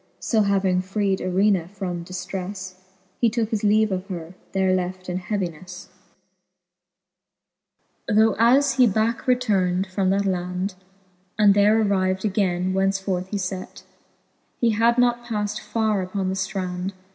So having freed Irena from diftreiTe, He tooke his leave of her, there left in heavinefle. XXVIII. Tho as he backe returned from that land, And there arriv'd againe, whence forth he fet. He had not paffed farre upon the ftrand.